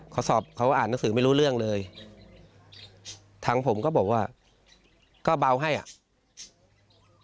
เขาสอบเขาอ่านหนังสือไม่รู้เรื่องเลยทางผมก็บอกว่าก็เบาให้อ่ะ